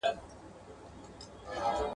بله چي وي راز د زندګۍ لري ..